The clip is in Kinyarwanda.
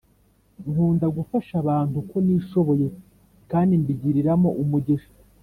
Nkunda gufasha abantu uko nishoboye kandi mbigiriramo umugisha